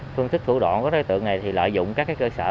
phương thức thủ đoạn của đối tượng này thì lợi dụng các cơ sở